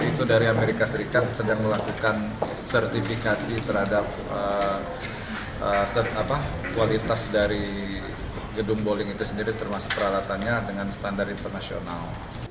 jadi itu dari amerika serikat sedang melakukan sertifikasi terhadap kualitas dari gedung bowling itu sendiri termasuk peralatannya dengan standar internasional